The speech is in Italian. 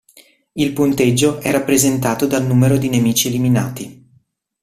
Il punteggio è rappresentato dal numero di nemici eliminati.